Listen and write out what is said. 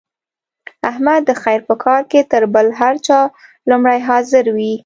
احمد د خیر په کار کې تر بل هر چا لومړی حاضر وي.